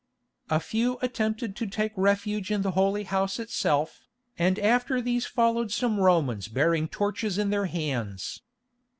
A few attempted to take refuge in the Holy House itself, and after these followed some Romans bearing torches in their hands.